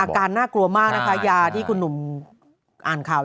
น่ากลัวมากนะคะยาที่คุณหนุ่มอ่านข่าว